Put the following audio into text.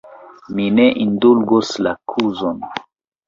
Mi ne indulgos la kuzon!